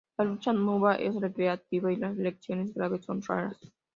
La lucha nuba es recreativa, y las lesiones graves son raras.